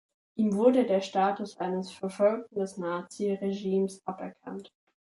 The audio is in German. Ihm wurde der Status eines "Verfolgten des Naziregimes" aberkannt.